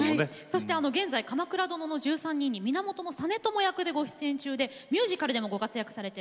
そして現在「鎌倉殿の１３人」に源実朝役でご出演中でミュージカルでもご活躍されている柿澤さん。